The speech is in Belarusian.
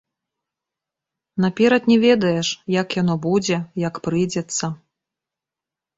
Наперад не ведаеш, як яно будзе, як прыйдзецца.